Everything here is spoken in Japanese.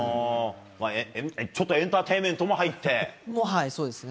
ちょっとエンターテインメンそうですね。